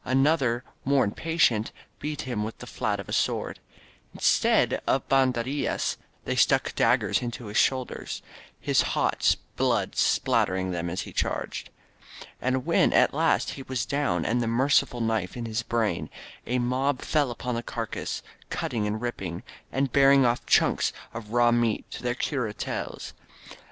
Another, more impatient, beat him with the flat of a sword. Instead of ban derillas, they stuck daggers into his shoulder — ^his hot blood spattering them as he charged. And when at last he was down and the merciful knife in his brain, a mob fell upon the carcase, cutting and ripping, and bearing off chunks of raw meat to their cuartels.